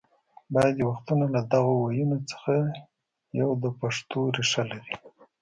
بعضې وختونه له دغو ويونو څخه یو د پښتو ریښه لري